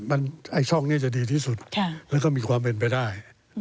มันไอ้ช่องนี้จะดีที่สุดแล้วก็มีความเป็นไปได้